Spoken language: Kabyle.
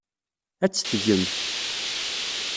Ad tt-tgemt.